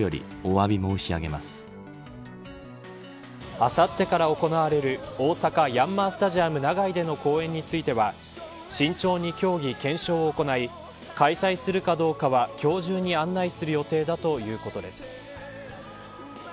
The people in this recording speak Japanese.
あさってから行われる大阪・ヤンマースタジアム長居での公演については慎重に協議、検証を行い開催するかどうかは今日中に案内する予定だということです。